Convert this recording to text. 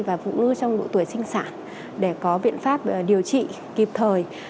và phụ nữ trong độ tuổi sinh sản để có biện pháp điều trị kịp thời